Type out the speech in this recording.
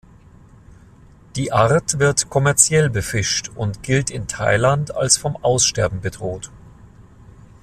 Die Art wird kommerziell befischt und gilt in Thailand als vom Aussterben bedroht.